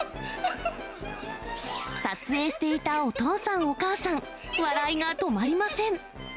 撮影していたお父さん、お母さん、笑いが止まりません。